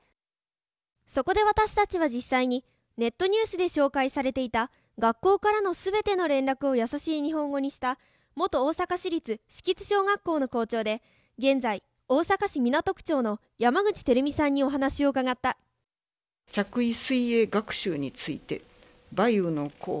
そこで私たちは実際にネットニュースで紹介されていた学校からの全ての連絡をやさしい日本語にした元大阪市立敷津小学校の校長で現在大阪市港区長の山口照美さんにお話を伺った「着衣水泳学習について梅雨の候